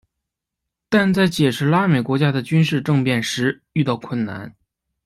但在解释拉美国家的军事政变时遇到困难。